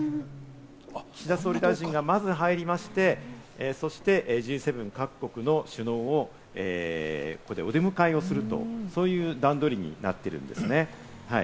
岸田総理大臣がまず入りまして、そしてＧ７各国の首脳をここでお出迎えをする、そういう段取りになっているんですね。